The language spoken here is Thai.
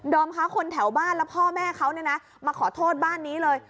ดอมค้าคนแถวบ้านแล้วพ่อแม่เขามาขอโทษบ้านนี้เลย